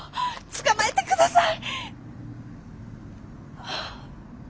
捕まえてください！